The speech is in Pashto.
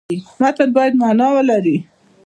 متن باید معنا ولري.